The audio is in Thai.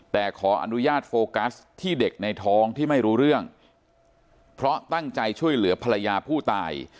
แต่ขออนุญาตโฟกัสที่เด็กในท้องที่ไม่รู้เรื่องเพราะตั้งใจช่วยเหลือภรรยาผู้ตาย